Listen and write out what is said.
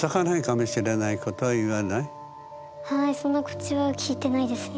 はいその口は聞いてないですね。